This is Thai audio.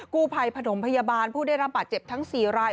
กู้ภัยผนมพยาบาลผู้ได้รับบาดเจ็บทั้ง๔ราย